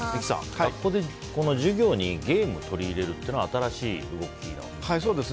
学校で授業にゲームを取り入れるというのは新しい動きなんですか？